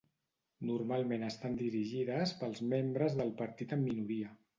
Normalment estan dirigides pels membres del partit en minoria.